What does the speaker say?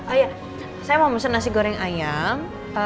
ayah saya mau pesan nasi goreng ayam